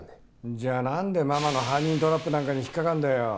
じゃあなんでママのハニートラップなんかに引っかかるんだよ。